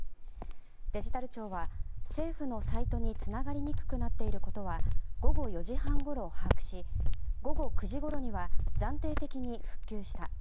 デジタル庁は、政府のサイトにつながりにくくなっていることは午後４時半ごろ把握し午後９時ごろには暫定的に復旧した。